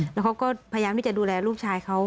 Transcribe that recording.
แล้วเขาก็พยายามที่จะดูแลลูกชายเขา